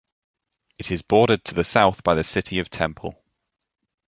It is bordered to the south by the city of Temple.